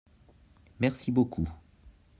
merci beaucoup.